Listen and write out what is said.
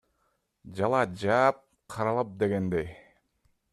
Жалаа жаап, каралап дегендей.